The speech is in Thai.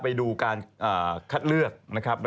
ไปดูการคัดเลือกนะครับ